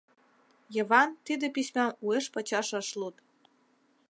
Йыван тиде письмам уэш-пачаш ыш луд.